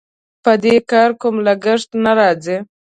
په دې کار کوم لګښت نه راځي.